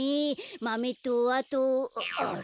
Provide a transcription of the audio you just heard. マメとあとあれ？